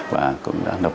và cũng đã đọc